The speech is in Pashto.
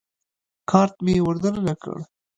کارت مې ور دننه کړ.